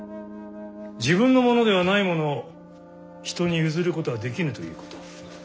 自分のものではないものを人に譲ることはできぬということを。